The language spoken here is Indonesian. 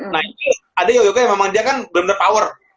nah itu ada yoga yoga yang memang dia kan bener bener power